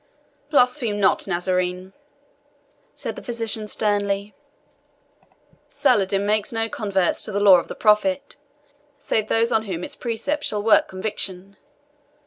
"Blaspheme not, Nazarene," said the physician sternly. "Saladin makes no converts to the law of the Prophet, save those on whom its precepts shall work conviction.